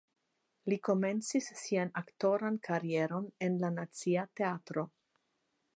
Li komencis sian aktoran karieron en la Nacia Teatro.